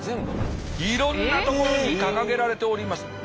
いろんな所に掲げられております。